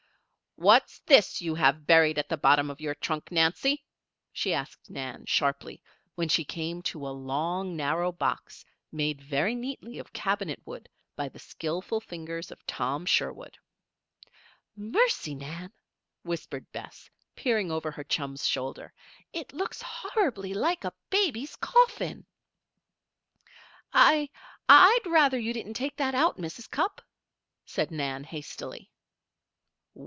"What's this you have buried at the bottom of your trunk, Nancy?" she asked Nan, sharply, when she came to a long, narrow box, made very neatly of cabinet wood by the skilful fingers of Tom Sherwood. "Mercy, Nan!" whispered Bess, peering over her chum's shoulder, "it looks horribly like a baby's coffin." "I I'd rather you didn't take that out, Mrs. Cupp," said Nan, hastily.